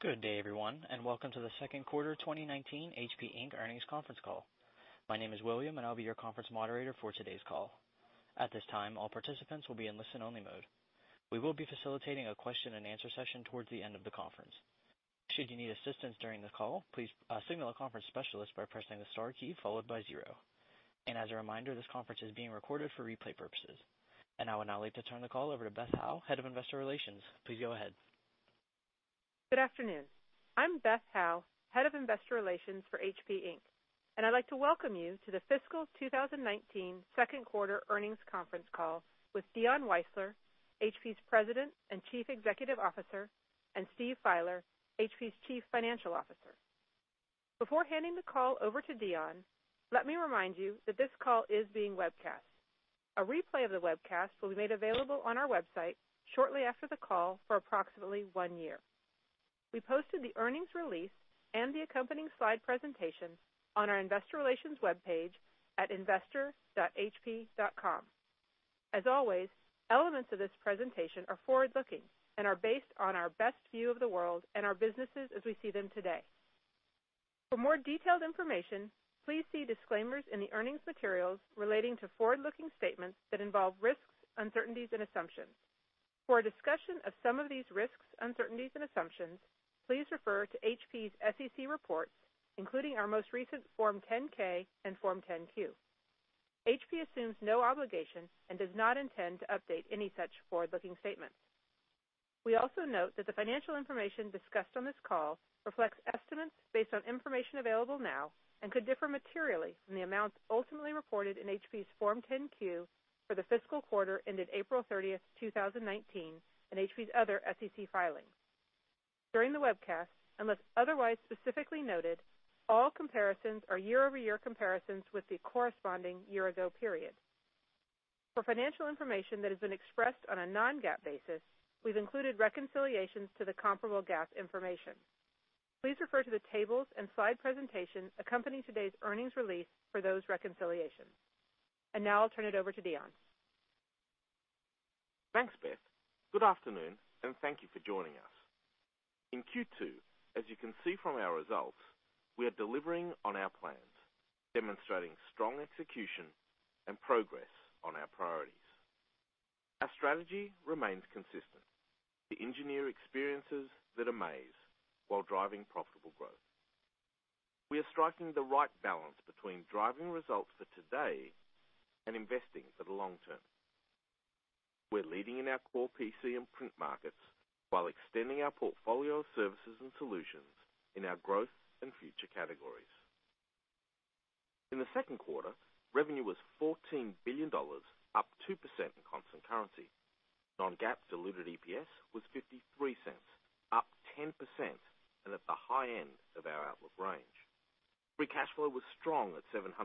Good day, everyone. Welcome to the second quarter 2019 HP Inc. earnings conference call. My name is William. I'll be your conference moderator for today's call. At this time, all participants will be in listen-only mode. We will be facilitating a question and answer session towards the end of the conference. Should you need assistance during the call, please signal a conference specialist by pressing the star key followed by zero. As a reminder, this conference is being recorded for replay purposes. I would now like to turn the call over to Beth Howe, Head of Investor Relations. Please go ahead. Good afternoon. I'm Beth Howe, Head of Investor Relations for HP Inc. I'd like to welcome you to the fiscal 2019 second quarter earnings conference call with Dion Weisler, HP's President and Chief Executive Officer, and Steve Fieler, HP's Chief Financial Officer. Before handing the call over to Dion, let me remind you that this call is being webcast. A replay of the webcast will be made available on our website shortly after the call for approximately one year. We posted the earnings release and the accompanying slide presentation on our investor relations webpage at investor.hp.com. As always, elements of this presentation are forward-looking and are based on our best view of the world and our businesses as we see them today. For more detailed information, please see disclaimers in the earnings materials relating to forward-looking statements that involve risks, uncertainties, and assumptions. For a discussion of some of these risks, uncertainties, and assumptions, please refer to HP's SEC reports, including our most recent Form 10-K and Form 10-Q. HP assumes no obligation and does not intend to update any such forward-looking statements. We also note that the financial information discussed on this call reflects estimates based on information available now and could differ materially from the amounts ultimately reported in HP's Form 10-Q for the fiscal quarter ended April 30th, 2019, and HP's other SEC filings. During the webcast, unless otherwise specifically noted, all comparisons are year-over-year comparisons with the corresponding year-ago period. For financial information that has been expressed on a non-GAAP basis, we've included reconciliations to the comparable GAAP information. Please refer to the tables and slide presentation accompanying today's earnings release for those reconciliations. Now I'll turn it over to Dion. Thanks, Beth. Good afternoon. Thank you for joining us. In Q2, as you can see from our results, we are delivering on our plans, demonstrating strong execution and progress on our priorities. Our strategy remains consistent: to engineer experiences that amaze while driving profitable growth. We are striking the right balance between driving results for today and investing for the long term. We're leading in our core PC and print markets while extending our portfolio of services and solutions in our growth and future categories. In the second quarter, revenue was $14 billion, up 2% in constant currency. Non-GAAP diluted EPS was $0.53, up 10%, and at the high end of our outlook range. Free cash flow was strong at $747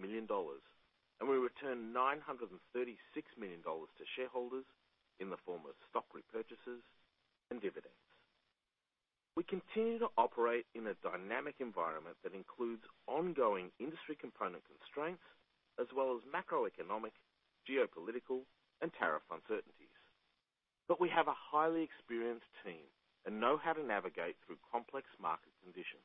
million, and we returned $936 million to shareholders in the form of stock repurchases and dividends. We continue to operate in a dynamic environment that includes ongoing industry component constraints as well as macroeconomic, geopolitical, and tariff uncertainties. We have a highly experienced team and know how to navigate through complex market conditions.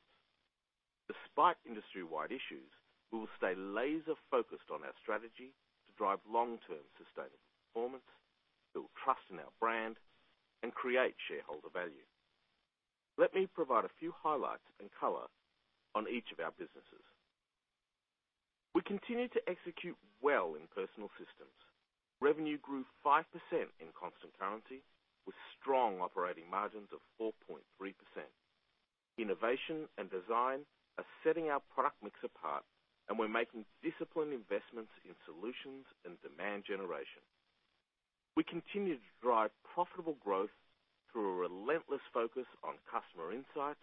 Despite industry-wide issues, we will stay laser-focused on our strategy to drive long-term sustainable performance, build trust in our brand, and create shareholder value. Let me provide a few highlights and color on each of our businesses. We continue to execute well in Personal Systems. Revenue grew 5% in constant currency with strong operating margins of 4.3%. Innovation and design are setting our product mix apart, and we're making disciplined investments in solutions and demand generation. We continue to drive profitable growth through a relentless focus on customer insights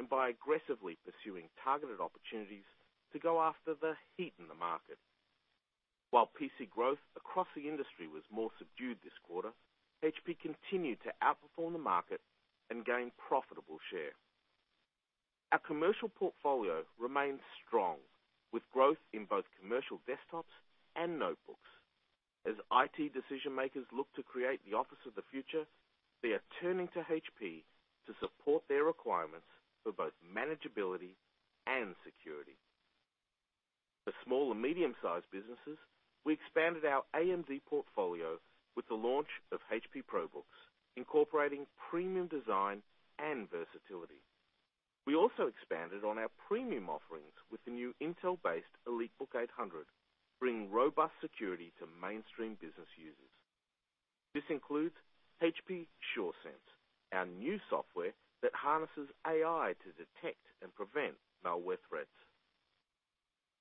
and by aggressively pursuing targeted opportunities to go after the heat in the market. While PC growth across the industry was more subdued this quarter, HP continued to outperform the market and gain profitable share. Our commercial portfolio remains strong, with growth in both commercial desktops and notebooks. As IT decision-makers look to create the office of the future, they are turning to HP to support their requirements for both manageability and security. For small and medium-sized businesses, we expanded our AMD portfolio with the launch of HP ProBooks, incorporating premium design and versatility. We also expanded on our premium offerings with the new Intel-based EliteBook 800, bringing robust security to mainstream business users. This includes HP Sure Sense, our new software that harnesses AI to detect and prevent malware threats.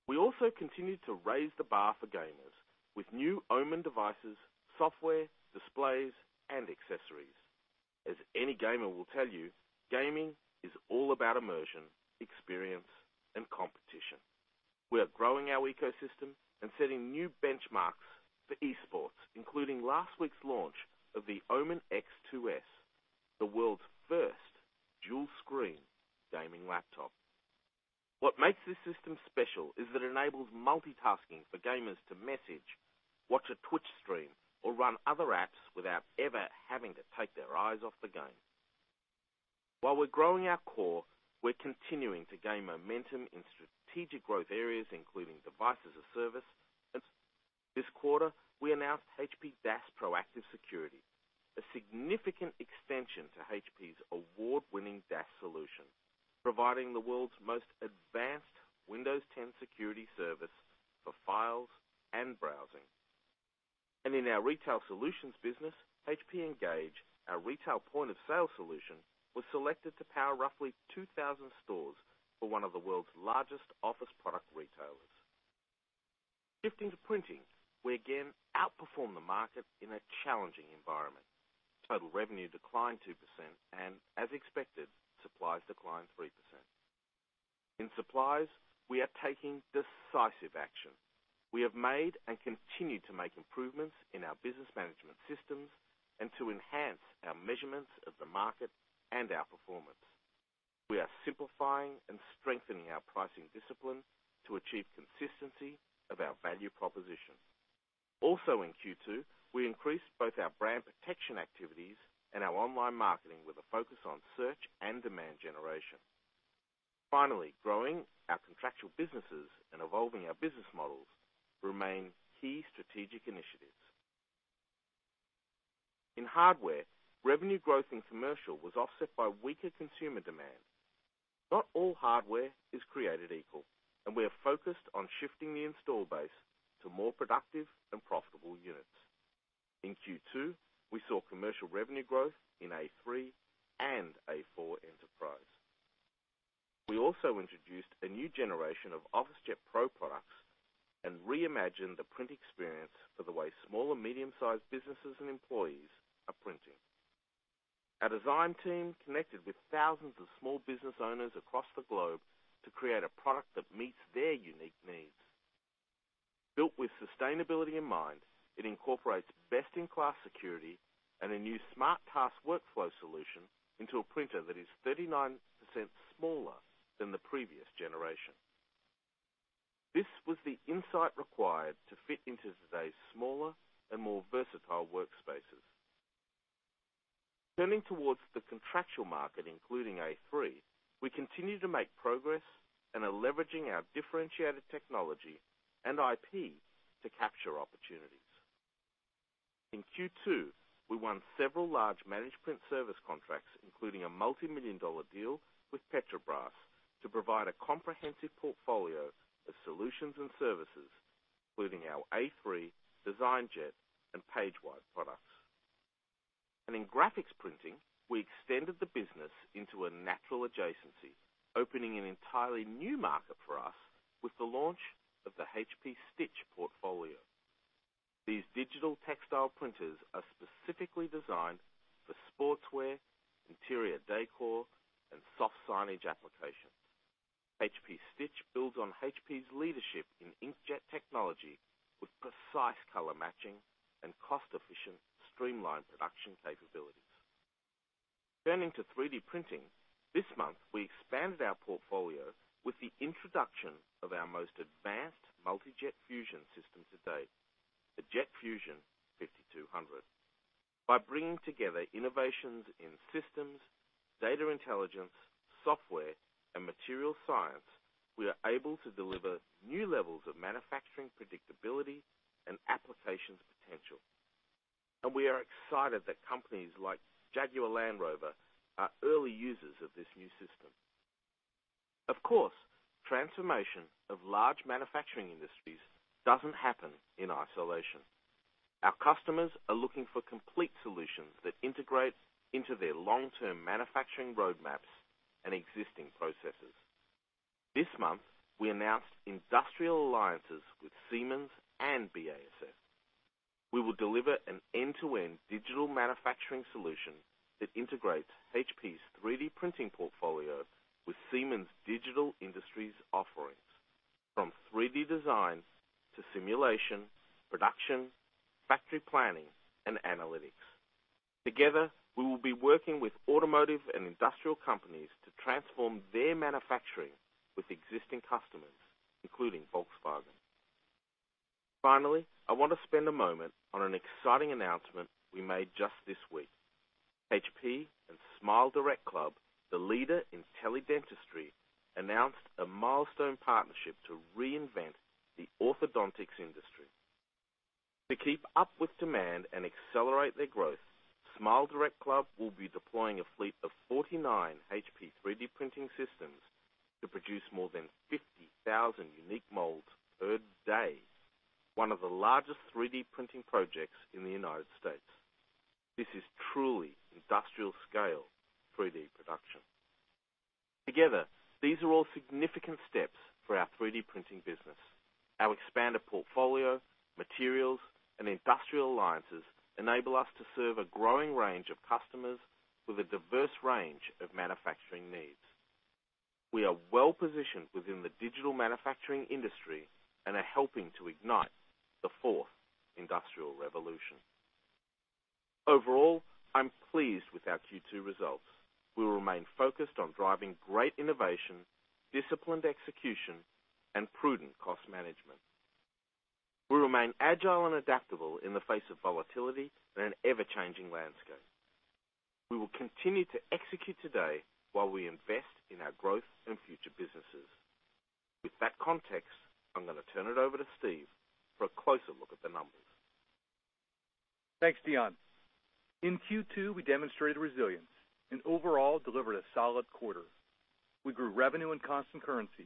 We also continue to raise the bar for gamers with new OMEN devices, software, displays, and accessories. As any gamer will tell you, gaming is all about immersion, experience, and competition. We are growing our ecosystem and setting new benchmarks for esports, including last week's launch of the OMEN X 2S, the world's first dual-screen gaming laptop. What makes this system special is that it enables multitasking for gamers to message, watch a Twitch stream, or run other apps without ever having to take their eyes off the game. We're growing our core, we're continuing to gain momentum in strategic growth areas, including Device as a Service. This quarter, we announced HP DaaS Proactive Security, a significant extension to HP's award-winning DaaS solution, providing the world's most advanced Windows 10 security service for files and browsing. In our retail solutions business, HP Engage, our retail point-of-sale solution, was selected to power roughly 2,000 stores for one of the world's largest office product retailers. Shifting to printing, we again outperformed the market in a challenging environment. Total revenue declined 2%. As expected, supplies declined 3%. In supplies, we are taking decisive action. We have made and continue to make improvements in our business management systems and to enhance our measurements of the market and our performance. We are simplifying and strengthening our pricing discipline to achieve consistency of our value proposition. Also in Q2, we increased both our brand protection activities and our online marketing with a focus on search and demand generation. Finally, growing our contractual businesses and evolving our business models remain key strategic initiatives. In hardware, revenue growth in commercial was offset by weaker consumer demand. Not all hardware is created equal, and we are focused on shifting the install base to more productive and profitable units. In Q2, we saw commercial revenue growth in A3 and A4 Enterprise. We also introduced a new generation of OfficeJet Pro products and reimagined the print experience for the way small and medium-sized businesses and employees are printing. Our design team connected with thousands of small business owners across the globe to create a product that meets their unique needs. Built with sustainability in mind, it incorporates best-in-class security and a new smart task workflow solution into a printer that is 39% smaller than the previous generation. This was the insight required to fit into today's smaller and more versatile workspaces. Turning towards the contractual market, including A3, we continue to make progress and are leveraging our differentiated technology and IP to capture opportunities. In Q2, we won several large managed print service contracts, including a multimillion-dollar deal with Petrobras to provide a comprehensive portfolio of solutions and services, including our A3 DesignJet and PageWide products. In graphics printing, we extended the business into a natural adjacency, opening an entirely new market for us with the launch of the HP Stitch portfolio. These digital textile printers are specifically designed for sportswear, interior decor, and soft signage applications. HP Stitch builds on HP's leadership in inkjet technology with precise color matching and cost-efficient, streamlined production capabilities. Turning to 3D printing, this month, we expanded our portfolio with the introduction of our most advanced Multi Jet Fusion system to date, the Jet Fusion 5200. By bringing together innovations in systems, data intelligence, software, and material science, we are able to deliver new levels of manufacturing predictability and applications potential. We are excited that companies like Jaguar Land Rover are early users of this new system. Of course, transformation of large manufacturing industries doesn't happen in isolation. Our customers are looking for complete solutions that integrate into their long-term manufacturing roadmaps and existing processes. This month, we announced industrial alliances with Siemens and BASF. We will deliver an end-to-end digital manufacturing solution that integrates HP's 3D printing portfolio with Siemens' digital industries offerings, from 3D design to simulation, production, factory planning, and analytics. Together, we will be working with automotive and industrial companies to transform their manufacturing with existing customers, including Volkswagen. I want to spend a moment on an exciting announcement we made just this week. HP and SmileDirectClub, the leader in teledentistry, announced a milestone partnership to reinvent the orthodontics industry. To keep up with demand and accelerate their growth, SmileDirectClub will be deploying a fleet of 49 HP 3D printing systems to produce more than 50,000 unique molds per day, one of the largest 3D printing projects in the U.S. This is truly industrial-scale 3D production. Together, these are all significant steps for our 3D printing business. Our expanded portfolio, materials, and industrial alliances enable us to serve a growing range of customers with a diverse range of manufacturing needs. We are well-positioned within the digital manufacturing industry and are helping to ignite the fourth industrial revolution. I'm pleased with our Q2 results. We will remain focused on driving great innovation, disciplined execution, and prudent cost management. We remain agile and adaptable in the face of volatility and an ever-changing landscape. We will continue to execute today while we invest in our growth and future businesses. With that context, I'm going to turn it over to Steve for a closer look at the numbers. Thanks, Dion. In Q2, we demonstrated resilience and overall delivered a solid quarter. We grew revenue in constant currency.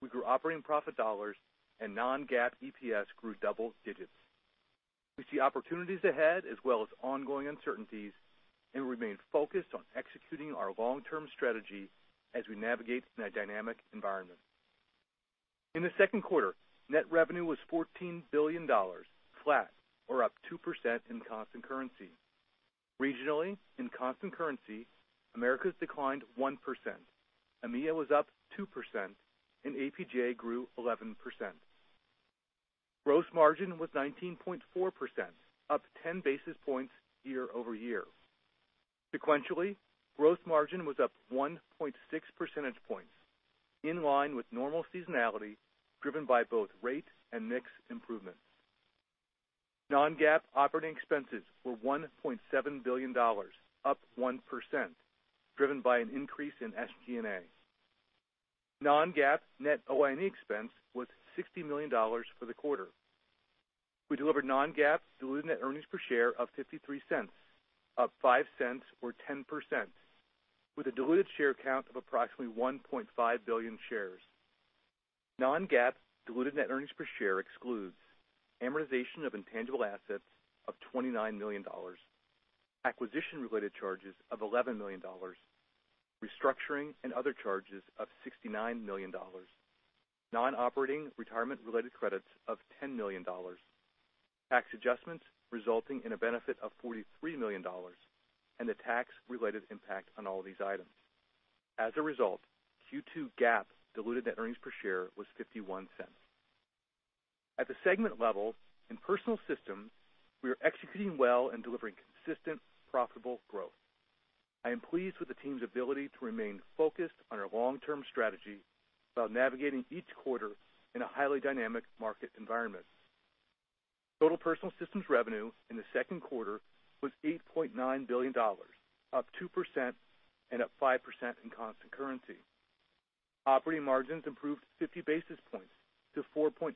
We grew operating profit dollars and non-GAAP EPS grew double digits. We see opportunities ahead as well as ongoing uncertainties, and remain focused on executing our long-term strategy as we navigate in a dynamic environment. In the second quarter, net revenue was $14 billion, flat or up 2% in constant currency. Regionally, in constant currency, Americas declined 1%, EMEA was up 2%, and APJ grew 11%. Gross margin was 19.4%, up 10 basis points year-over-year. Sequentially, gross margin was up 1.6 percentage points, in line with normal seasonality, driven by both rate and mix improvements. Non-GAAP operating expenses were $1.7 billion, up 1%, driven by an increase in SG&A. Non-GAAP net OIE expense was $60 million for the quarter. We delivered non-GAAP diluted net earnings per share of $0.53, up $0.05 or 10%, with a diluted share count of approximately 1.5 billion shares. Non-GAAP diluted net earnings per share excludes amortization of intangible assets of $29 million, acquisition-related charges of $11 million, restructuring and other charges of $69 million, non-operating retirement-related credits of $10 million, tax adjustments resulting in a benefit of $43 million, and the tax-related impact on all these items. As a result, Q2 GAAP diluted net earnings per share was $0.51. At the segment level, in Personal Systems, we are executing well and delivering consistent, profitable growth. I am pleased with the team's ability to remain focused on our long-term strategy while navigating each quarter in a highly dynamic market environment. Total Personal Systems revenue in the second quarter was $8.9 billion, up 2% and up 5% in constant currency. Operating margins improved 50 basis points to 4.3%,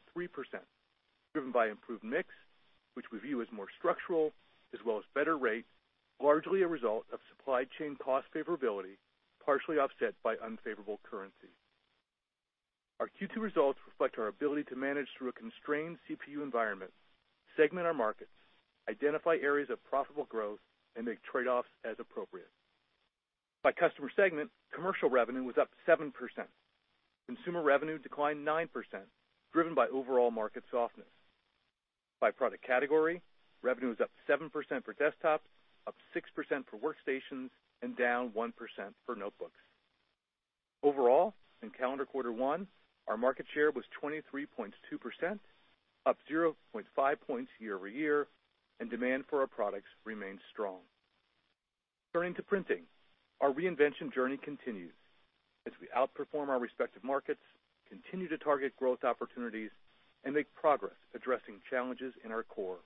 driven by improved mix, which we view as more structural, as well as better rate, largely a result of supply chain cost favorability, partially offset by unfavorable currency. Our Q2 results reflect our ability to manage through a constrained CPU environment, segment our markets, identify areas of profitable growth, and make trade-offs as appropriate. By customer segment, commercial revenue was up 7%. Consumer revenue declined 9%, driven by overall market softness. By product category, revenue was up 7% for desktops, up 6% for workstations, and down 1% for notebooks. Overall, in calendar quarter one, our market share was 23.2%, up 0.5 points year-over-year, and demand for our products remained strong. Turning to Printing, our reinvention journey continues as we outperform our respective markets, continue to target growth opportunities, and make progress addressing challenges in our core.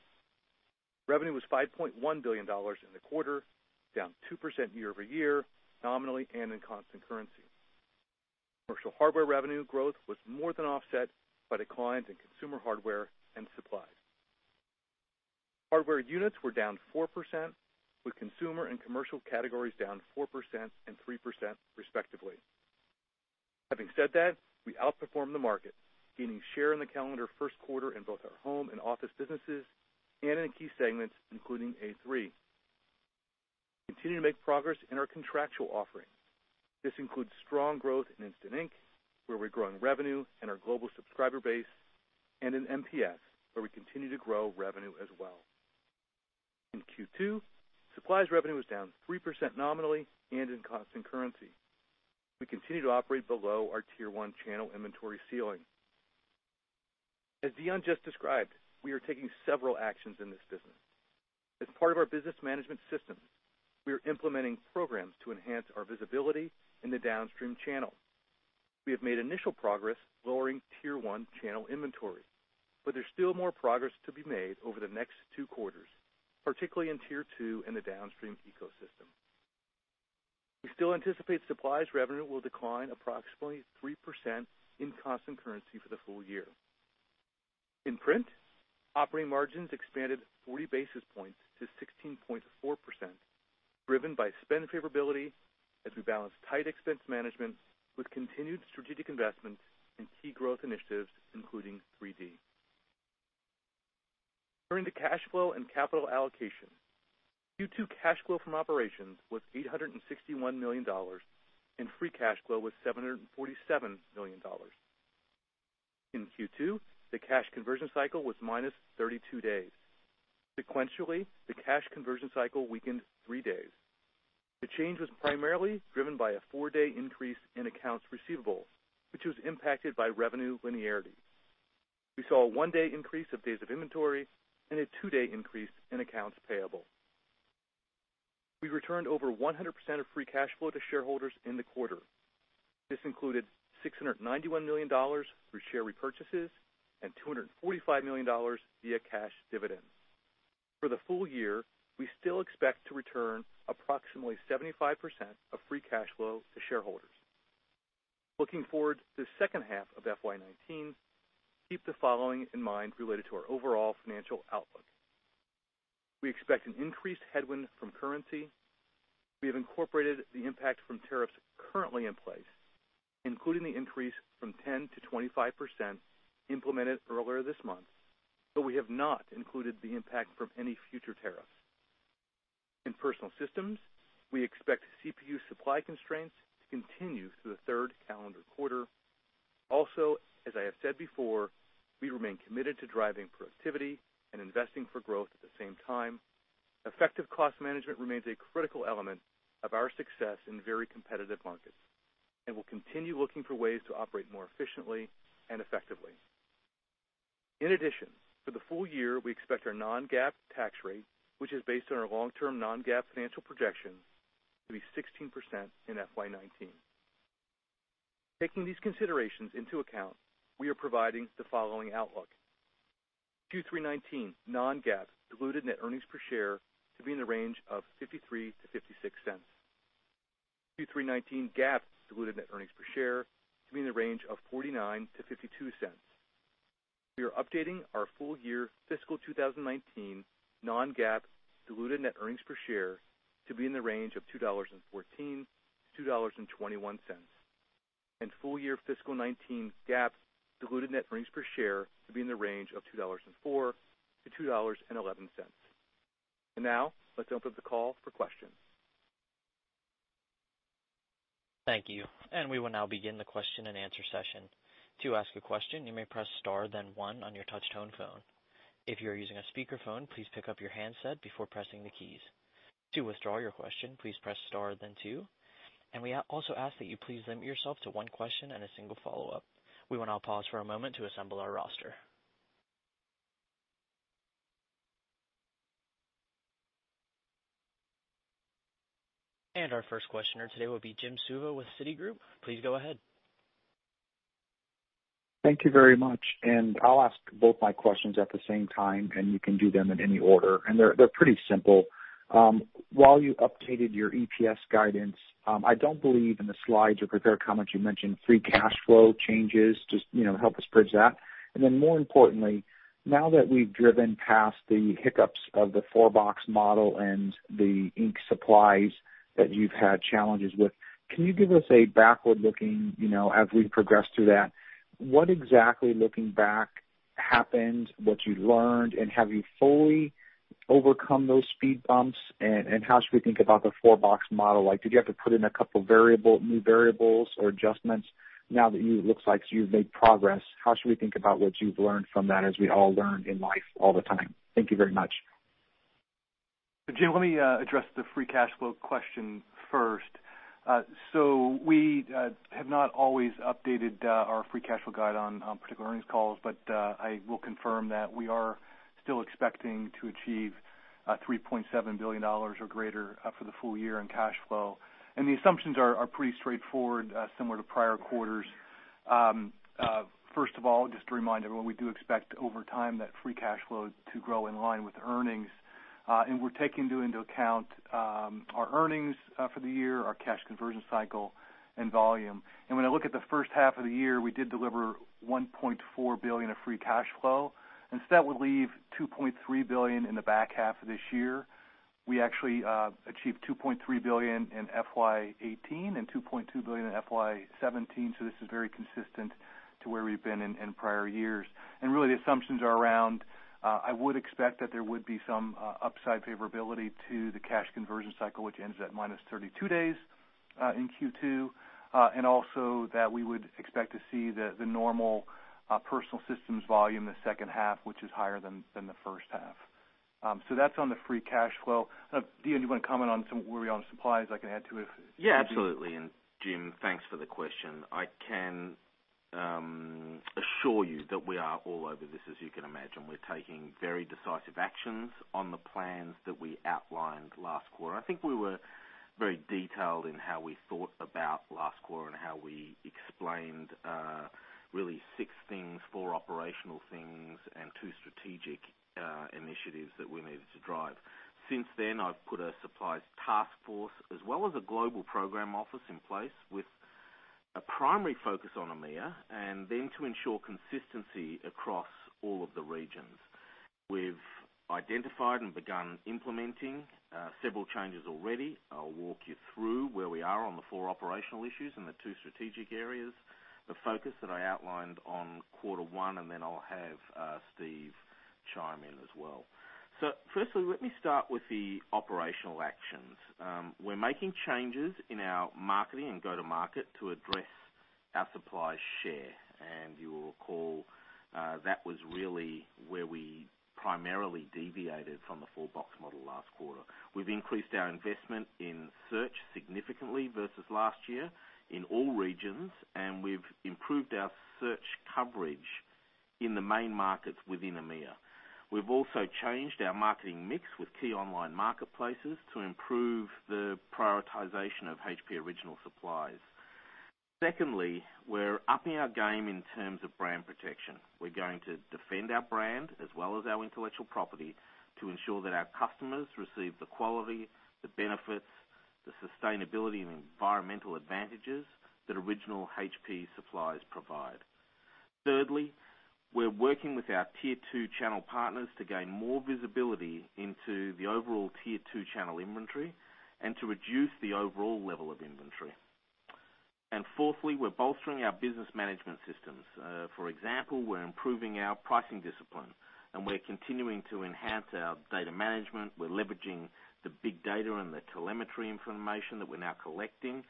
Revenue was $5.1 billion in the quarter, down 2% year-over-year, nominally and in constant currency. Commercial hardware revenue growth was more than offset by declines in consumer hardware and supplies. Hardware units were down 4%, with consumer and commercial categories down 4% and 3%, respectively. Having said that, we outperformed the market, gaining share in the calendar first quarter in both our home and office businesses and in key segments, including A3. Continue to make progress in our contractual offerings. This includes strong growth in Instant Ink, where we're growing revenue and our global subscriber base, and in MPS, where we continue to grow revenue as well. In Q2, supplies revenue was down 3% nominally and in constant currency. We continue to operate below our tier 1 channel inventory ceiling. As Dion just described, we are taking several actions in this business. As part of our business management systems, we are implementing programs to enhance our visibility in the downstream channel. We have made initial progress lowering tier 1 channel inventory, but there's still more progress to be made over the next 2 quarters, particularly in tier 2 and the downstream ecosystem. We still anticipate supplies revenue will decline approximately 3% in constant currency for the full year. In print, operating margins expanded 40 basis points to 16.4%, driven by spend favorability as we balance tight expense management with continued strategic investments in key growth initiatives, including 3D. Turning to cash flow and capital allocation. Q2 cash flow from operations was $861 million, and free cash flow was $747 million. In Q2, the cash conversion cycle was minus 32 days. Sequentially, the cash conversion cycle weakened 3 days. The change was primarily driven by a 4-day increase in accounts receivable, which was impacted by revenue linearity. We saw a 1-day increase of days of inventory and a 2-day increase in accounts payable. We returned over 100% of free cash flow to shareholders in the quarter. This included $691 million through share repurchases and $245 million via cash dividends. For the full year, we still expect to return approximately 75% of free cash flow to shareholders. Looking forward to the second half of FY 2019, keep the following in mind related to our overall financial outlook. We expect an increased headwind from currency. We have incorporated the impact from tariffs currently in place, including the increase from 10%-25% implemented earlier this month, but we have not included the impact from any future tariffs. In personal systems, we expect CPU supply constraints to continue through the third calendar quarter. As I have said before, we remain committed to driving productivity and investing for growth at the same time. Effective cost management remains a critical element of our success in very competitive markets, and we'll continue looking for ways to operate more efficiently and effectively. In addition, for the full year, we expect our non-GAAP tax rate, which is based on our long-term non-GAAP financial projection, to be 16% in FY 2019. Taking these considerations into account, we are providing the following outlook. Q3 2019 non-GAAP diluted net earnings per share to be in the range of $0.53-$0.56. Q3 2019 GAAP diluted net earnings per share to be in the range of $0.49-$0.52. We are updating our full year fiscal 2019 non-GAAP diluted net earnings per share to be in the range of $2.14 to $2.21. Full year fiscal 2019 GAAP diluted net earnings per share to be in the range of $2.04-$2.11. Now, let's open up the call for questions. Thank you. We will now begin the question-and-answer session. To ask a question, you may press star, then one on your touch-tone phone. If you are using a speakerphone, please pick up your handset before pressing the keys. To withdraw your question, please press star, then two. We also ask that you please limit yourself to one question and a single follow-up. We will now pause for a moment to assemble our roster. Our first questioner today will be Jim Suva with Citigroup. Please go ahead. Thank you very much. I'll ask both my questions at the same time, and you can do them in any order. They're pretty simple. While you updated your EPS guidance, I don't believe in the slides or prepared comments you mentioned free cash flow changes. Just help us bridge that. Then more importantly, now that we've driven past the hiccups of the four-box model and the ink supplies that you've had challenges with, can you give us a backward-looking, as we progress through that, what exactly, looking back, happened, what you learned, and have you fully overcome those speed bumps? How should we think about the four-box model? Did you have to put in a couple new variables or adjustments now that it looks like you've made progress? How should we think about what you've learned from that as we all learn in life all the time? Thank you very much. Jim, let me address the free cash flow question first. We have not always updated our free cash flow guide on particular earnings calls, but I will confirm that we are still expecting to achieve $3.7 billion or greater for the full year in cash flow. The assumptions are pretty straightforward, similar to prior quarters. First of all, just to remind everyone, we do expect over time that free cash flow to grow in line with earnings. We're taking into account our earnings for the year, our cash conversion cycle, and volume. When I look at the first half of the year, we did deliver $1.4 billion of free cash flow. That would leave $2.3 billion in the back half of this year. We actually achieved $2.3 billion in FY 2018 and $2.2 billion in FY 2017, this is very consistent to where we've been in prior years. Really, the assumptions are around, I would expect that there would be some upside favorability to the cash conversion cycle, which ends at -32 days in Q2, and also that we would expect to see the normal Personal Systems volume the second half, which is higher than the first half. That's on the free cash flow. Dion, do you want to comment on some worry on supplies? I can add to it if need be. Yeah, absolutely. Jim, thanks for the question. I can assure you that we are all over this, as you can imagine. We're taking very decisive actions on the plans that we outlined last quarter. I think we were very detailed in how we thought about last quarter and how we explained really six things, four operational things and two strategic initiatives that we needed to drive. Since then, I've put a supplies task force as well as a global program office in place with a primary focus on EMEA, and then to ensure consistency across all of the regions. We've identified and begun implementing several changes already. I'll walk you through where we are on the four operational issues and the two strategic areas, the focus that I outlined on quarter one, and then I'll have Steve chime in as well. Firstly, let me start with the operational actions. We're making changes in our marketing and go-to-market to address our supply share. You will recall, that was really where we primarily deviated from the four-box model last quarter. We've increased our investment in search significantly versus last year in all regions, we've improved our search coverage in the main markets within EMEA. We've also changed our marketing mix with key online marketplaces to improve the prioritization of HP original supplies. Secondly, we're upping our game in terms of brand protection. We're going to defend our brand as well as our intellectual property to ensure that our customers receive the quality, the benefits, the sustainability, and environmental advantages that original HP supplies provide. Thirdly, we're working with our tier 2 channel partners to gain more visibility into the overall tier 2 channel inventory and to reduce the overall level of inventory. Fourthly, we're bolstering our business management systems. For example, we're improving our pricing discipline, and we're continuing to enhance our data management. We're leveraging the big data and the telemetry information that we're now collecting.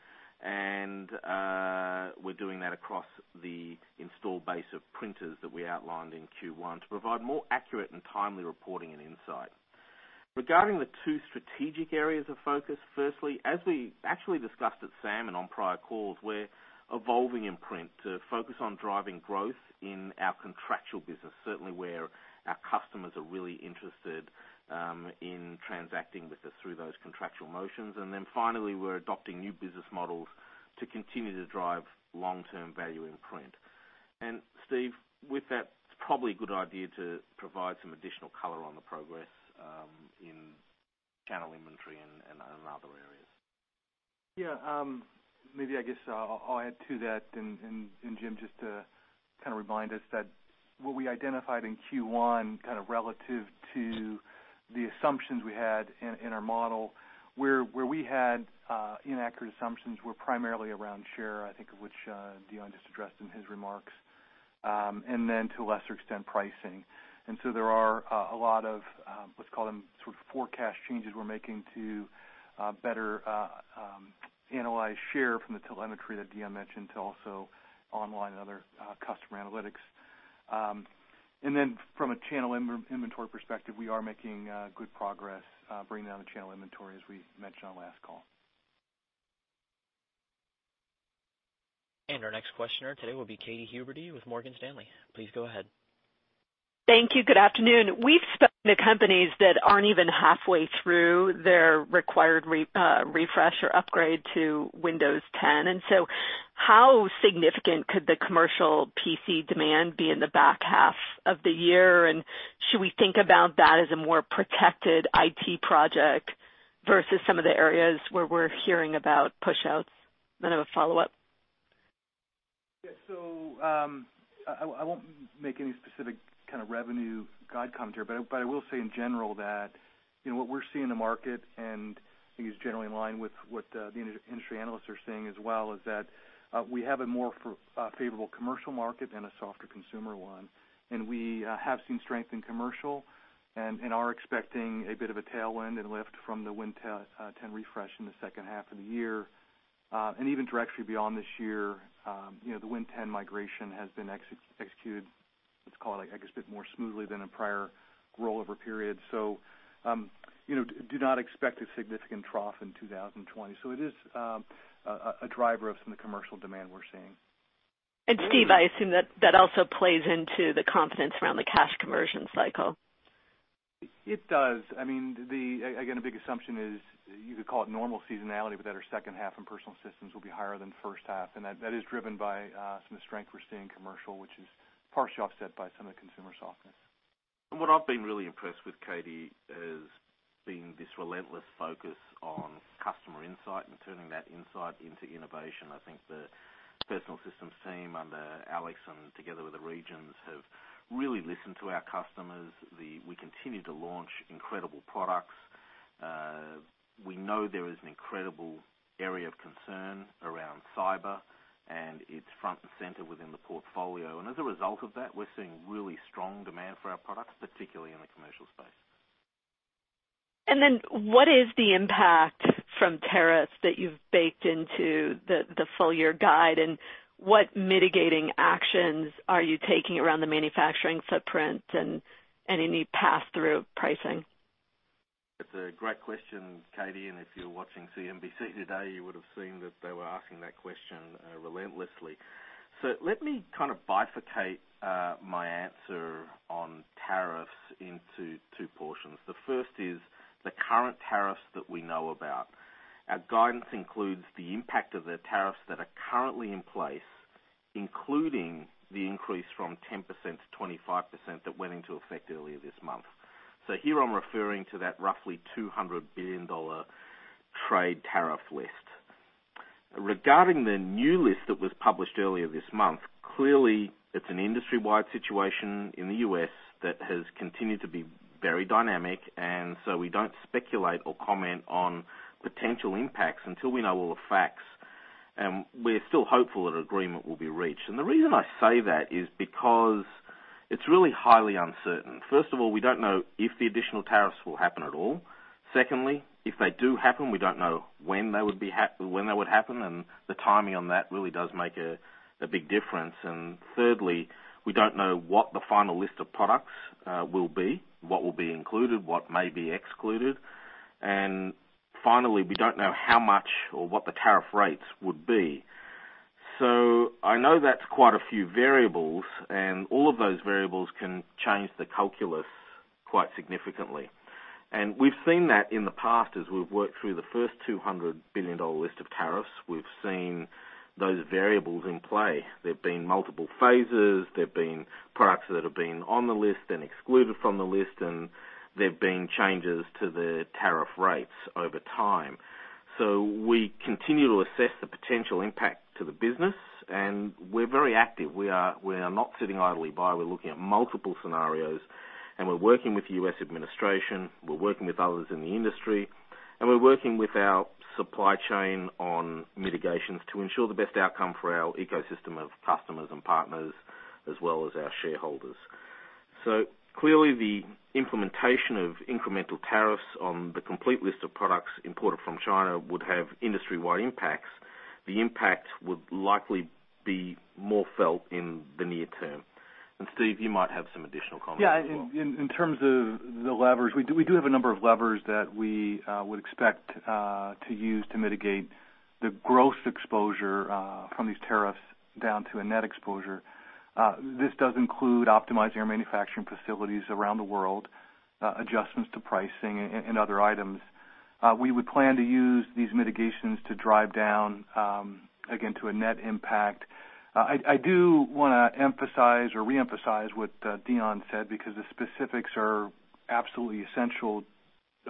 We're doing that across the install base of printers that we outlined in Q1 to provide more accurate and timely reporting and insight. Regarding the two strategic areas of focus, firstly, as we actually discussed at SAM and on prior calls, we're evolving in print to focus on driving growth in our contractual business, certainly where our customers are really interested in transacting with us through those contractual motions. Finally, we're adopting new business models to continue to drive long-term value in print. Steve, with that, it's probably a good idea to provide some additional color on the progress in channel inventory and other areas. Maybe I guess I'll add to that, Jim, just to remind us that what we identified in Q1 relative to the assumptions we had in our model, where we had inaccurate assumptions were primarily around share, I think, which Dion just addressed in his remarks, and then to a lesser extent, pricing. There are a lot of, let's call them sort of forecast changes we're making to better analyze share from the telemetry that Dion mentioned to also online and other customer analytics. From a channel inventory perspective, we are making good progress bringing down the channel inventory as we mentioned on last call. Our next questioner today will be Katy Huberty with Morgan Stanley. Please go ahead. Thank you. Good afternoon. We've spoken to companies that aren't even halfway through their required refresh or upgrade to Windows 10. How significant could the commercial PC demand be in the back half of the year? Should we think about that as a more protected IT project versus some of the areas where we're hearing about pushouts? I have a follow-up. Yeah. I won't make any specific kind of revenue guide comment here, but I will say in general that what we're seeing in the market, I think it's generally in line with what the industry analysts are seeing as well, is that we have a more favorable commercial market and a softer consumer one. We have seen strength in commercial and are expecting a bit of a tailwind and lift from the Windows 10 refresh in the second half of the year. Even directly beyond this year, the Windows 10 migration has been executed, let's call it, I guess, a bit more smoothly than in prior rollover periods. Do not expect a significant trough in 2020. It is a driver of some of the commercial demand we're seeing. Steve, I assume that that also plays into the confidence around the cash conversion cycle. It does. Again, a big assumption is you could call it normal seasonality, but that our second half in Personal Systems will be higher than first half, and that is driven by some of the strength we're seeing in commercial, which is partially offset by some of the consumer softness. What I've been really impressed with, Katy, is seeing this relentless focus on customer insight and turning that insight into innovation. I think the Personal Systems team under Alex and together with the regions, have really listened to our customers. We continue to launch incredible products. We know there is an incredible area of concern around cyber, and it's front and center within the portfolio. As a result of that, we're seeing really strong demand for our products, particularly in the commercial space. What is the impact from tariffs that you've baked into the full-year guide, and what mitigating actions are you taking around the manufacturing footprint and any pass-through pricing? It's a great question, Katy. If you were watching CNBC today, you would have seen that they were asking that question relentlessly. Let me kind of bifurcate my answer on tariffs into two portions. The first is the current tariffs that we know about. Our guidance includes the impact of the tariffs that are currently in place, including the increase from 10% to 25% that went into effect earlier this month. Here I'm referring to that roughly $200 billion trade tariff list. Regarding the new list that was published earlier this month, clearly it's an industry-wide situation in the U.S. that has continued to be very dynamic, we don't speculate or comment on potential impacts until we know all the facts. We're still hopeful that an agreement will be reached. The reason I say that is because it's really highly uncertain. First of all, we don't know if the additional tariffs will happen at all. Secondly, if they do happen, we don't know when they would happen, and the timing on that really does make a big difference. Thirdly, we don't know what the final list of products will be, what will be included, what may be excluded. Finally, we don't know how much or what the tariff rates would be. I know that's quite a few variables, and all of those variables can change the calculus quite significantly. We've seen that in the past as we've worked through the first $200 billion list of tariffs. We've seen those variables in play. There've been multiple phases, there've been products that have been on the list, then excluded from the list, and there've been changes to the tariff rates over time. We continue to assess the potential impact to the business. We're very active. We are not sitting idly by. We're looking at multiple scenarios. We're working with the U.S. administration, we're working with others in the industry, and we're working with our supply chain on mitigations to ensure the best outcome for our ecosystem of customers and partners, as well as our shareholders. Clearly, the implementation of incremental tariffs on the complete list of products imported from China would have industry-wide impacts. The impact would likely be more felt in the near term. Steve, you might have some additional comments as well. Yeah. In terms of the levers, we do have a number of levers that we would expect to use to mitigate the gross exposure from these tariffs down to a net exposure. This does include optimizing our manufacturing facilities around the world, adjustments to pricing, and other items. We would plan to use these mitigations to drive down again to a net impact. I do want to emphasize or reemphasize what Dion said, because the specifics are absolutely essential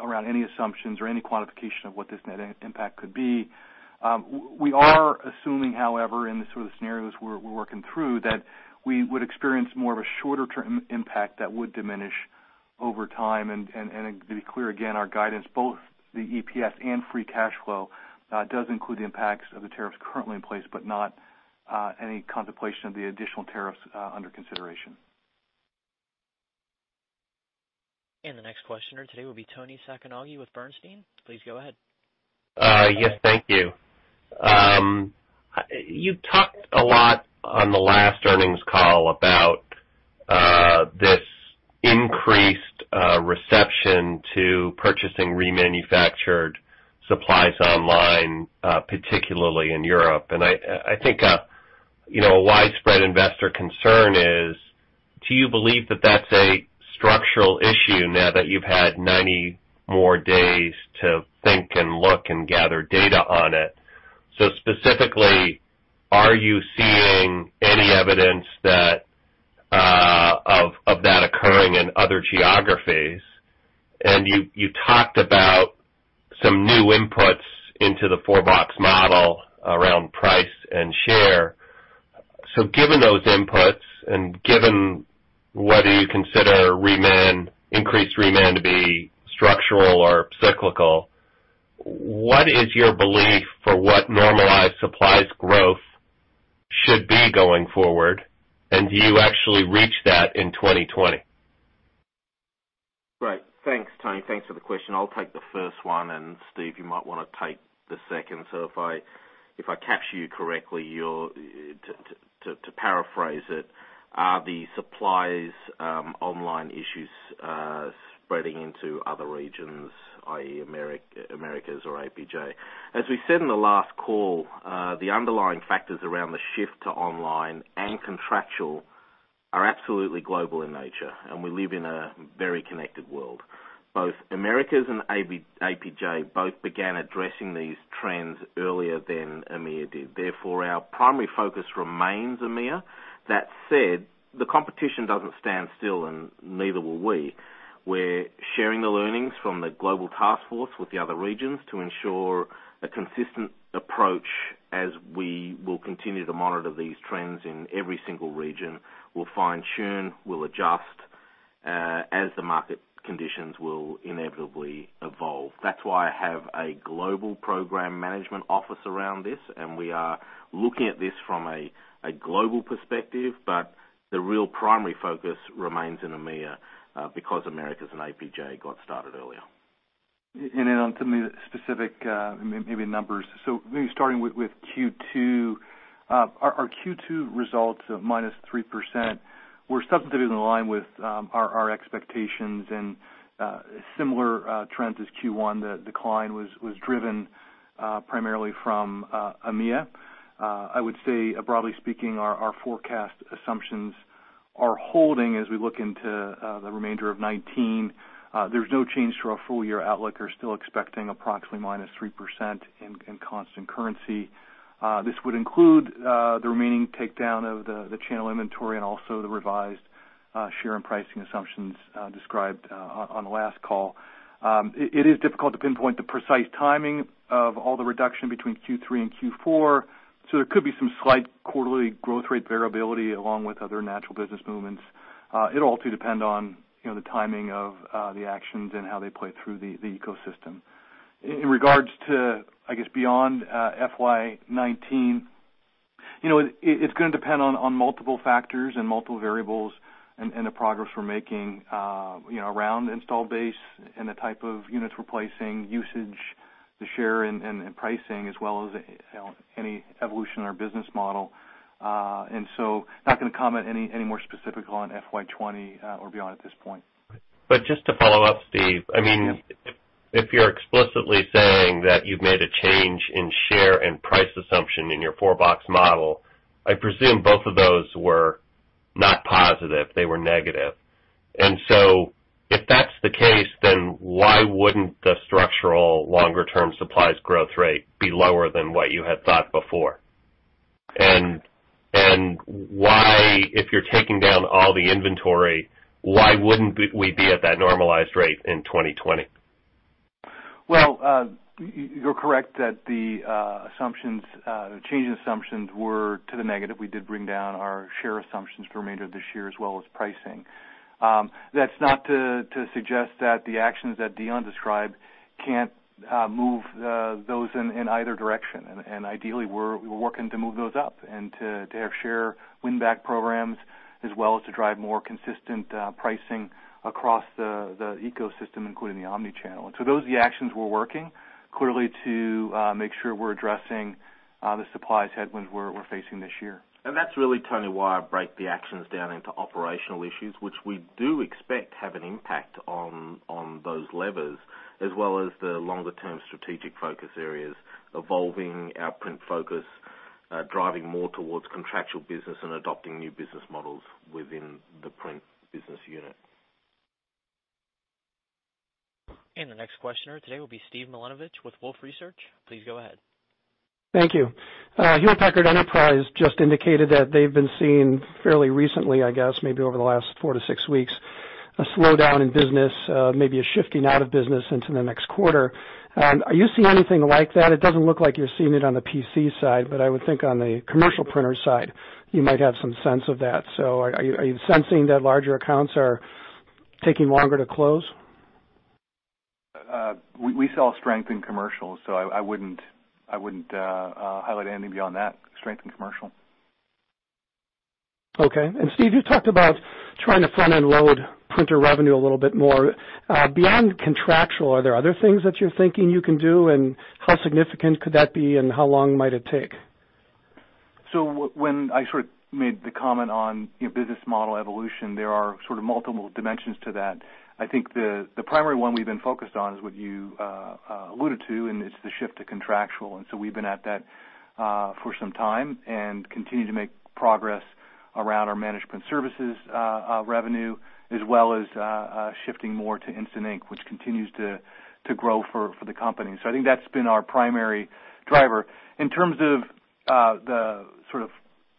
around any assumptions or any quantification of what this net impact could be. We are assuming, however, in the sort of scenarios we're working through, that we would experience more of a shorter-term impact that would diminish over time. To be clear again, our guidance, both the EPS and free cash flow, does include the impacts of the tariffs currently in place, but not any contemplation of the additional tariffs under consideration. The next questioner today will be Toni Sacconaghi with Bernstein. Please go ahead. Yes, thank you. You talked a lot on the last earnings call about this increased reception to purchasing remanufactured supplies online, particularly in Europe. I think a widespread investor concern is, do you believe that that's a structural issue now that you've had 90 more days to think and look and gather data on it? Specifically, are you seeing any evidence of that occurring in other geographies? You talked about some new inputs into the four-box model around price and share. Given those inputs, and given whether you consider increased reman to be structural or cyclical, what is your belief for what normalized supplies growth should be going forward? Do you actually reach that in 2020? Great. Thanks, Toni. Thanks for the question. I'll take the first one, Steve, you might want to take the second. If I capture you correctly, to paraphrase it, are the supplies online issues spreading into other regions, i.e., Americas or APJ? As we said in the last call, the underlying factors around the shift to online and contractual are absolutely global in nature, we live in a very connected world. Both Americas and APJ both began addressing these trends earlier than EMEA did, therefore, our primary focus remains EMEA. That said, the competition doesn't stand still, neither will we. We're sharing the learnings from the global task force with the other regions to ensure a consistent approach as we will continue to monitor these trends in every single region. We'll fine tune, we'll adjust as the market conditions will inevitably evolve. That's why I have a global program management office around this, we are looking at this from a global perspective. The real primary focus remains in EMEA, because Americas and APJ got started earlier. On to maybe specific numbers. Maybe starting with Q2. Our Q2 results of minus 3% were substantively in line with our expectations, similar trends as Q1. The decline was driven primarily from EMEA. I would say, broadly speaking, our forecast assumptions are holding as we look into the remainder of 2019. There's no change to our full-year outlook. We're still expecting approximately minus 3% in constant currency. This would include the remaining takedown of the channel inventory, the revised share and pricing assumptions described on the last call. It is difficult to pinpoint the precise timing of all the reduction between Q3 and Q4, there could be some slight quarterly growth rate variability along with other natural business movements. It'll all depend on the timing of the actions and how they play through the ecosystem. In regards to, I guess, beyond FY 2019, it's going to depend on multiple factors and multiple variables and the progress we're making around install base and the type of units we're placing, usage, the share and pricing, as well as any evolution in our business model. Not going to comment any more specific on FY 2020 or beyond at this point. Just to follow up, Steve. Yeah. If you're explicitly saying that you've made a change in share and price assumption in your four-box model, I presume both of those were not positive, they were negative. If that's the case, then why wouldn't the structural longer-term supplies growth rate be lower than what you had thought before? Why, if you're taking down all the inventory, why wouldn't we be at that normalized rate in 2020? You're correct that the change in assumptions were to the negative. We did bring down our share assumptions for remainder of this year, as well as pricing. That's not to suggest that the actions that Dion described can't move those in either direction. Ideally, we're working to move those up and to have share win-back programs, as well as to drive more consistent pricing across the ecosystem, including the omnichannel. Those are the actions we're working, clearly to make sure we're addressing the supplies headwinds we're facing this year. That's really, Toni, why I break the actions down into operational issues, which we do expect have an impact on those levers, as well as the longer-term strategic focus areas, evolving our print focus, driving more towards contractual business and adopting new business models within the print business unit. The next questioner today will be Steve Milunovich with Wolfe Research. Please go ahead. Thank you. Hewlett Packard Enterprise just indicated that they've been seeing fairly recently, I guess, maybe over the last four to six weeks, a slowdown in business, maybe a shifting out of business into the next quarter. Are you seeing anything like that? It doesn't look like you're seeing it on the PC side, but I would think on the commercial printer side, you might have some sense of that. Are you sensing that larger accounts are taking longer to close? We saw strength in commercial, I wouldn't highlight anything beyond that. Strength in commercial. Okay. Steve, you talked about trying to front-end load printer revenue a little bit more. Beyond contractual, are there other things that you're thinking you can do, and how significant could that be, and how long might it take? When I made the comment on business model evolution, there are sort of multiple dimensions to that. I think the primary one we've been focused on is what you alluded to, it's the shift to contractual. We've been at that for some time and continue to make progress around our management services revenue, as well as shifting more to Instant Ink, which continues to grow for the company. I think that's been our primary driver. In terms of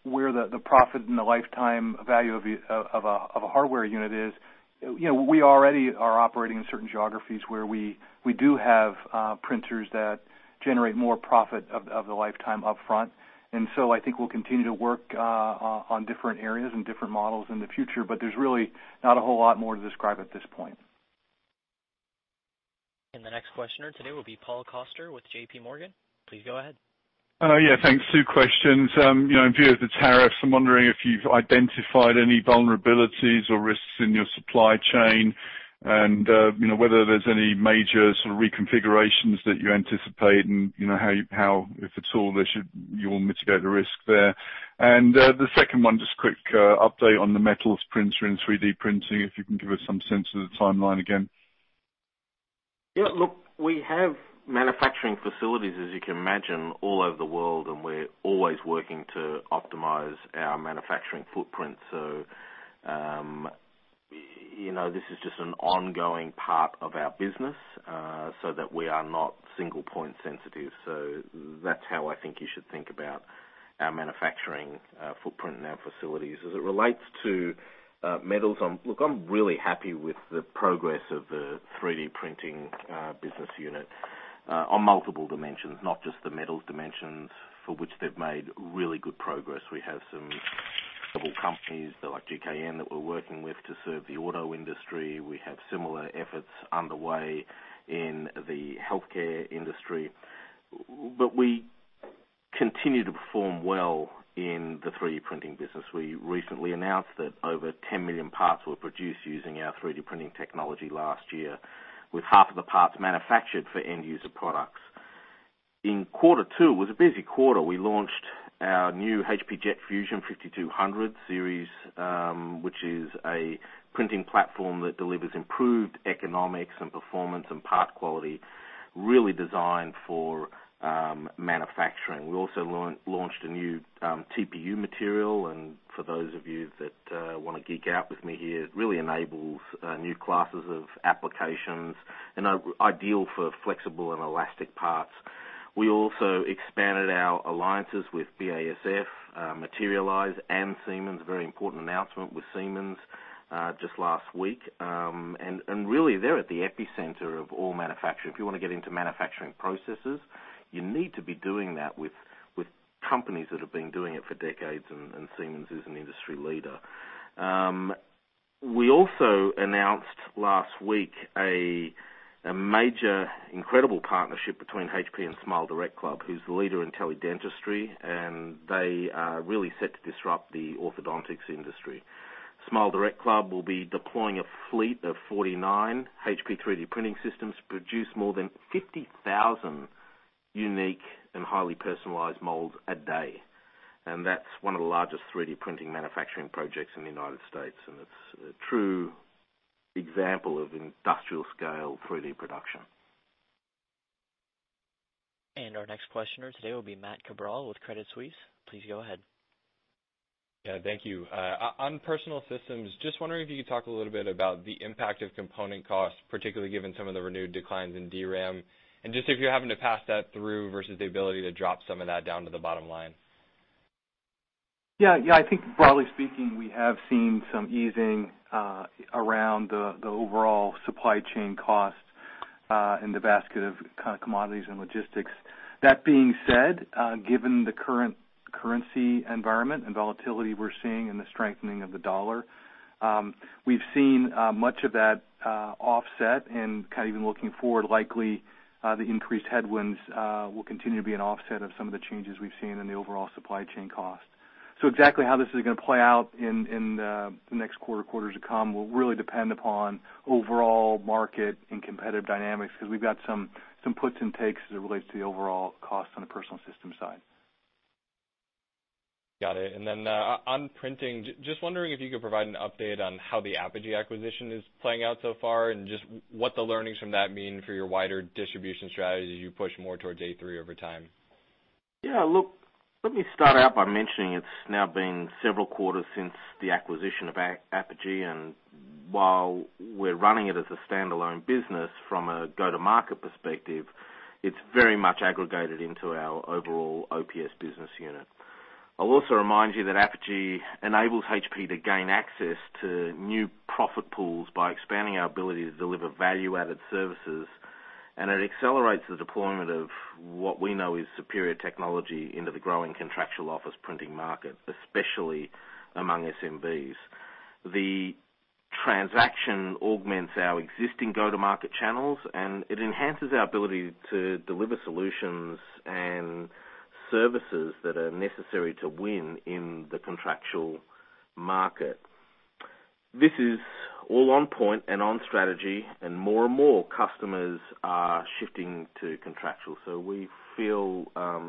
where the profit and the lifetime value of a hardware unit is, we already are operating in certain geographies where we do have printers that generate more profit of the lifetime upfront. I think we'll continue to work on different areas and different models in the future, but there's really not a whole lot more to describe at this point. The next questioner today will be Paul Coster with JPMorgan. Please go ahead. Yeah, thanks. Two questions. In view of the tariffs, I'm wondering if you've identified any vulnerabilities or risks in your supply chain and whether there's any major reconfigurations that you anticipate and how, if at all, you will mitigate the risk there. The second one, just quick update on the metals printer and 3D printing, if you can give us some sense of the timeline again. Yeah, look, we have manufacturing facilities, as you can imagine, all over the world, and we're always working to optimize our manufacturing footprint. This is just an ongoing part of our business so that we are not single-point sensitive. That's how I think you should think about our manufacturing footprint and our facilities. As it relates to metals, look, I'm really happy with the progress of the 3D printing business unit on multiple dimensions, not just the metals dimensions, for which they've made really good progress. We have some global companies like GKN that we're working with to serve the auto industry. We have similar efforts underway in the healthcare industry. We continue to perform well in the 3D printing business. We recently announced that over 10 million parts were produced using our 3D printing technology last year, with half of the parts manufactured for end user products. In quarter 2, it was a busy quarter. We launched our new HP Jet Fusion 5200 series, which is a printing platform that delivers improved economics and performance and part quality really designed for manufacturing. We also launched a new TPU material, and for those of you that want to geek out with me here, it really enables new classes of applications and ideal for flexible and elastic parts. We also expanded our alliances with BASF, Materialise, and Siemens, a very important announcement with Siemens just last week. Really, they're at the epicenter of all manufacturing. If you want to get into manufacturing processes, you need to be doing that with companies that have been doing it for decades, and Siemens is an industry leader. We also announced last week a major incredible partnership between HP and SmileDirectClub, who's the leader in teledentistry, and they are really set to disrupt the orthodontics industry. SmileDirectClub will be deploying a fleet of 49 HP 3D printing systems to produce more than 50,000 unique and highly personalized molds a day. That's one of the largest 3D printing manufacturing projects in the U.S., and it's a true example of industrial-scale 3D production. Our next questioner today will be Matthew Cabral with Credit Suisse. Please go ahead. Yeah, thank you. On Personal Systems, just wondering if you could talk a little bit about the impact of component costs, particularly given some of the renewed declines in DRAM, and just if you're having to pass that through versus the ability to drop some of that down to the bottom line. Yeah, I think broadly speaking, we have seen some easing around the overall supply chain cost, in the basket of kind of commodities and logistics. That being said, given the current currency environment and volatility we're seeing and the strengthening of the dollar, we've seen much of that offset and kind of even looking forward, likely, the increased headwinds will continue to be an offset of some of the changes we've seen in the overall supply chain cost. Exactly how this is going to play out in the next quarter, quarters to come, will really depend upon overall market and competitive dynamics because we've got some puts and takes as it relates to the overall cost on the Personal Systems side. Got it. On printing, just wondering if you could provide an update on how the Apogee acquisition is playing out so far, and just what the learnings from that mean for your wider distribution strategy as you push more towards A3 over time. Yeah, look, let me start out by mentioning it's now been several quarters since the acquisition of Apogee, and while we're running it as a standalone business from a go-to-market perspective, it's very much aggregated into our overall OPS business unit. I'll also remind you that Apogee enables HP to gain access to new profit pools by expanding our ability to deliver value-added services, and it accelerates the deployment of what we know is superior technology into the growing contractual office printing market, especially among SMBs. The transaction augments our existing go-to-market channels, and it enhances our ability to deliver solutions and services that are necessary to win in the contractual market. This is all on point and on strategy, and more and more customers are shifting to contractual. We feel,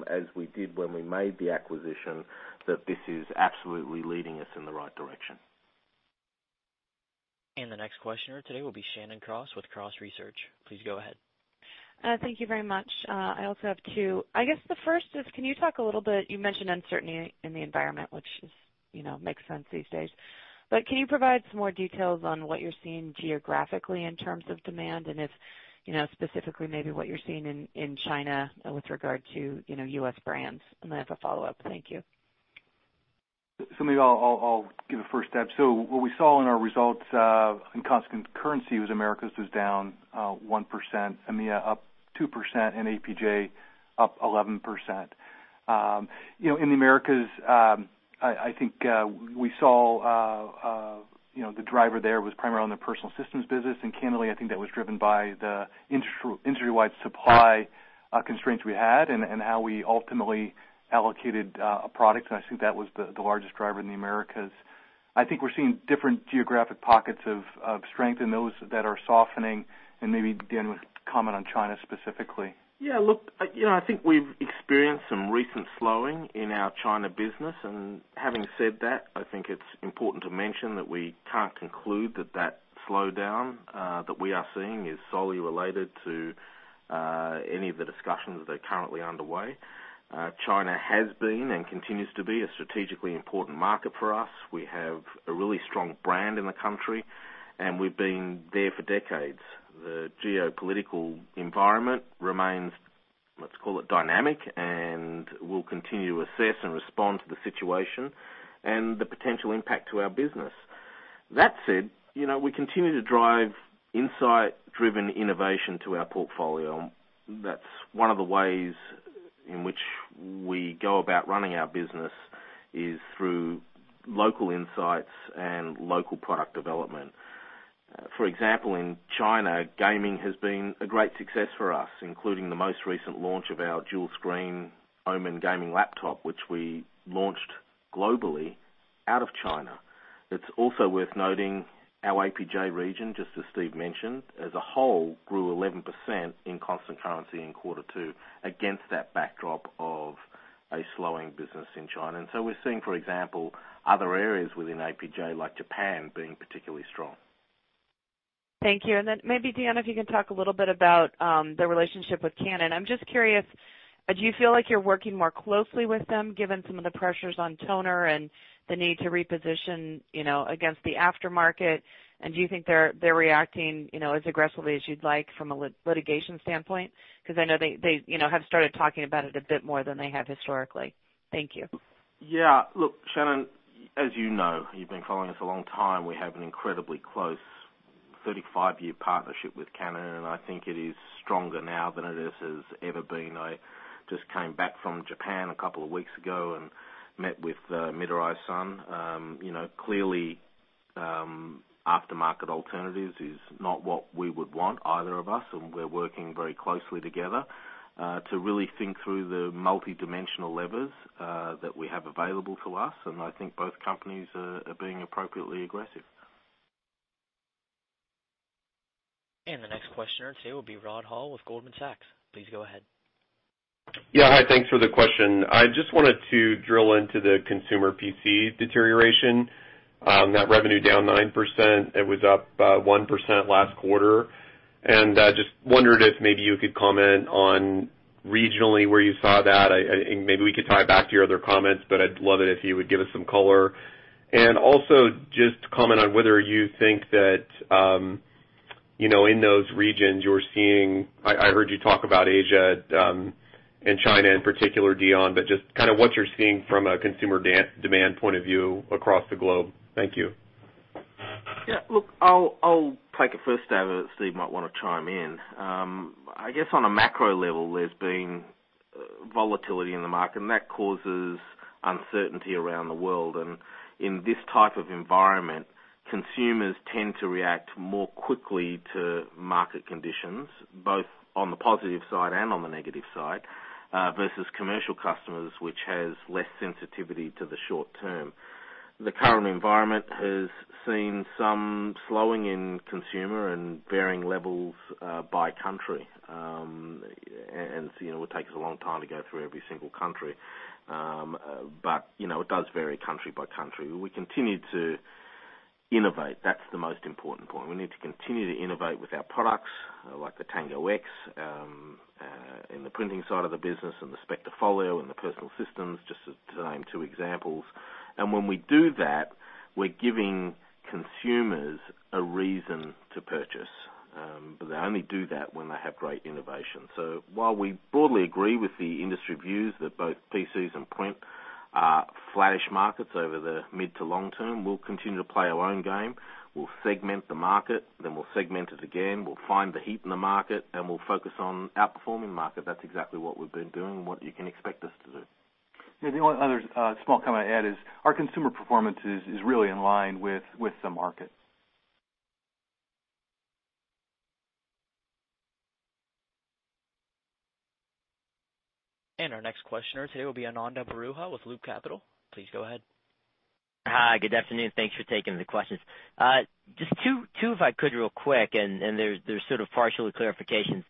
as we did when we made the acquisition, that this is absolutely leading us in the right direction. The next questioner today will be Shannon Cross with Cross Research. Please go ahead. Thank you very much. I also have two. I guess the first is, can you talk a little bit, you mentioned uncertainty in the environment, which makes sense these days. Can you provide some more details on what you're seeing geographically in terms of demand and if, specifically maybe what you're seeing in China with regard to U.S. brands? I have a follow-up. Thank you. Maybe I'll give a first stab. What we saw in our results, in constant currency was Americas was down 1%, EMEA up 2%, and APJ up 11%. In the Americas, I think we saw the driver there was primarily on the Personal Systems business. Candidly, I think that was driven by the industry-wide supply constraints we had and how we ultimately allocated a product. I think that was the largest driver in the Americas. I think we're seeing different geographic pockets of strength and those that are softening. Maybe Dion will comment on China specifically. Yeah, look, I think we've experienced some recent slowing in our China business. Having said that, I think it's important to mention that we can't conclude that that slowdown that we are seeing is solely related to any of the discussions that are currently underway. China has been and continues to be a strategically important market for us. We have a really strong brand in the country, and we've been there for decades. The geopolitical environment remains, let's call it dynamic, and we'll continue to assess and respond to the situation and the potential impact to our business. That said, we continue to drive insight-driven innovation to our portfolio. That's one of the ways in which we go about running our business is through local insights and local product development. For example, in China, gaming has been a great success for us, including the most recent launch of our dual screen OMEN gaming laptop, which we launched globally out of China. It's also worth noting our APJ region, just as Steve mentioned, as a whole, grew 11% in constant currency in quarter two against that backdrop of a slowing business in China. We're seeing, for example, other areas within APJ, like Japan, being particularly strong. Thank you. Maybe, Dion, if you can talk a little bit about the relationship with Canon. I'm just curious, do you feel like you're working more closely with them, given some of the pressures on toner and the need to reposition against the aftermarket? Do you think they're reacting as aggressively as you'd like from a litigation standpoint? Because I know they have started talking about it a bit more than they have historically. Thank you. Yeah. Look, Shannon, as you know, you've been following us a long time. We have an incredibly close 35-year partnership with Canon, I think it is stronger now than it has ever been. I just came back from Japan a couple of weeks ago and met with Mitarai-san. Clearly, aftermarket alternatives is not what we would want, either of us, we're working very closely together, to really think through the multidimensional levers that we have available to us, I think both companies are being appropriately aggressive. The next questioner today will be Rod Hall with Goldman Sachs. Please go ahead. Hi, thanks for the question. I just wanted to drill into the consumer PC deterioration. Net revenue down 9%, it was up 1% last quarter. I just wondered if maybe you could comment on regionally where you saw that. Maybe we could tie it back to your other comments, but I'd love it if you would give us some color. Also just comment on whether you think that, in those regions you're seeing I heard you talk about Asia and China in particular, Dion, but just kind of what you're seeing from a consumer demand point of view across the globe. Thank you. I'll take a first stab at it. Steve might want to chime in. I guess on a macro level, there's been volatility in the market, and that causes uncertainty around the world. In this type of environment, consumers tend to react more quickly to market conditions, both on the positive side and on the negative side, versus commercial customers, which has less sensitivity to the short term. The current environment has seen some slowing in consumer and varying levels by country. It would take us a long time to go through every single country. It does vary country by country. We continue to innovate. That's the most important point. We need to continue to innovate with our products like the Tango X, in the printing side of the business, and the Spectre Folio in the personal systems, just to name two examples. When we do that, we're giving consumers a reason to purchase. They only do that when they have great innovation. While we broadly agree with the industry views that both PCs and print are flattish markets over the mid to long term, we'll continue to play our own game. We'll segment the market, we'll segment it again. We'll find the heat in the market, we'll focus on outperforming the market. That's exactly what we've been doing and what you can expect us to do. The only other small comment I'd add is our consumer performance is really in line with the market. Our next questioner today will be Ananda Baruah with Loop Capital. Please go ahead. Hi, good afternoon. Thanks for taking the questions. Just two, if I could, real quick, and they're sort of partially clarifications.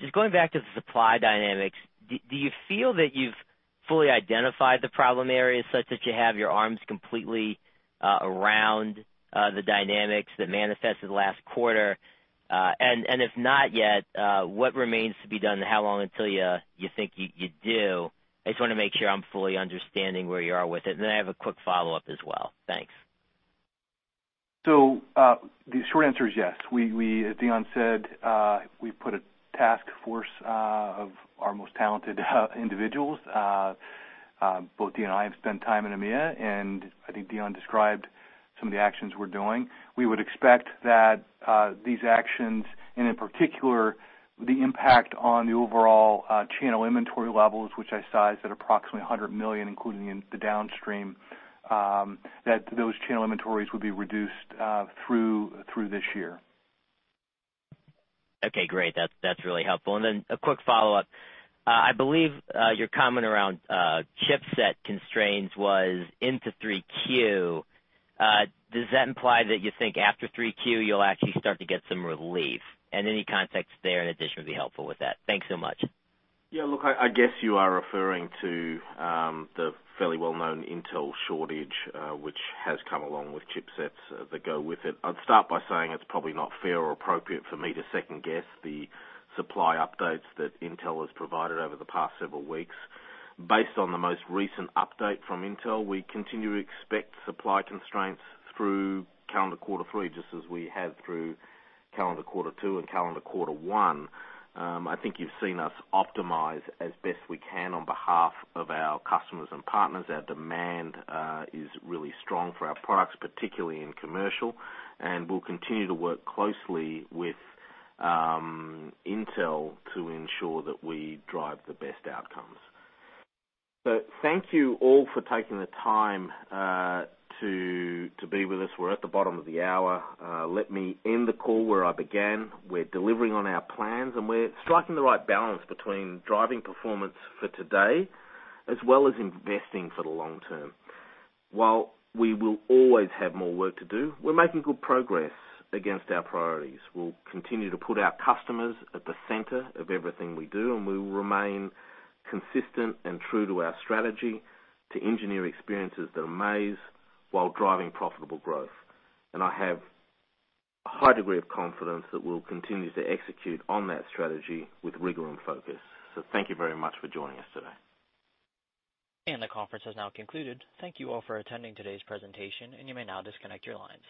Just going back to the supply dynamics, do you feel that you've fully identified the problem areas such that you have your arms completely around the dynamics that manifested last quarter? If not yet, what remains to be done and how long until you think you'd do? I just want to make sure I'm fully understanding where you are with it. I have a quick follow-up as well. Thanks. The short answer is yes. As Dion said, we put a task force of our most talented individuals. Both Dion and I have spent time in EMEA, I think Dion described some of the actions we're doing. We would expect that these actions, and in particular, the impact on the overall channel inventory levels, which I sized at approximately $100 million, including in the downstream, that those channel inventories would be reduced through this year. Okay, great. That's really helpful. A quick follow-up. I believe your comment around chipset constraints was into 3Q. Does that imply that you think after 3Q you'll actually start to get some relief? Any context there in addition would be helpful with that. Thanks so much. Yeah, look, I guess you are referring to the fairly well-known Intel shortage, which has come along with chipsets that go with it. I'd start by saying it's probably not fair or appropriate for me to second-guess the supply updates that Intel has provided over the past several weeks. Based on the most recent update from Intel, we continue to expect supply constraints through calendar quarter three, just as we have through calendar quarter two and calendar quarter one. I think you've seen us optimize as best we can on behalf of our customers and partners. Our demand is really strong for our products, particularly in commercial. We'll continue to work closely with Intel to ensure that we drive the best outcomes. Thank you all for taking the time to be with us. We're at the bottom of the hour. Let me end the call where I began. We're delivering on our plans, and we're striking the right balance between driving performance for today as well as investing for the long term. While we will always have more work to do, we're making good progress against our priorities. We'll continue to put our customers at the center of everything we do, and we will remain consistent and true to our strategy to engineer experiences that amaze while driving profitable growth. I have a high degree of confidence that we'll continue to execute on that strategy with rigor and focus. Thank you very much for joining us today. The conference has now concluded. Thank you all for attending today's presentation, and you may now disconnect your lines.